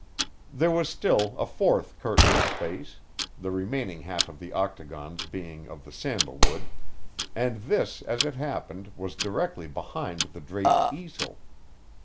There was still a fourth curtained space (the remaining half of the octagons being of the sandal wood), and this, as it happened, was directly behind the draped easel.